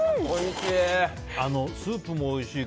おいしい。